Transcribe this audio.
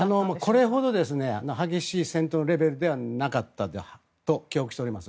これほど激しい戦闘レベルではなかったと記憶しております。